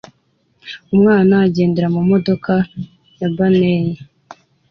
Umwana agendera mumodoka ya Barney